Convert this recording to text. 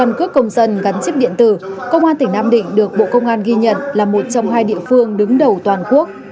trong cuộc công dân gắn chiếp điện tử công an tỉnh nam định được bộ công an ghi nhận là một trong hai địa phương đứng đầu toàn quốc